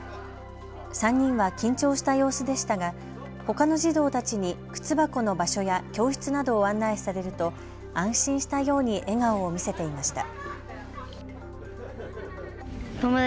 ３人は緊張した様子でしたがほかの児童たちに靴箱の場所や教室などを案内されると安心したように笑顔を見せていました。